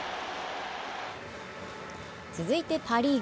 続いてパ・リーグ。